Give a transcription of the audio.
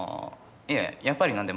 いえやっぱり何でも。